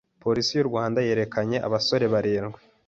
Polisi y’u Rwanda yerekanye abasore barindwi